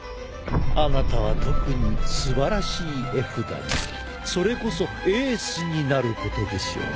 あなたは特に素晴らしい絵札にそれこそエースになることでしょう。